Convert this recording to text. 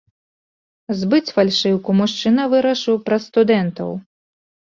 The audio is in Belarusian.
Збыць фальшыўку мужчына вырашыў праз студэнтаў.